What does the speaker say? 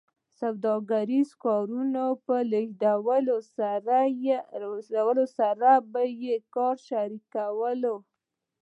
سوداګریزو کاروانونو په لېږدولو سره یې په کار کې شریک شول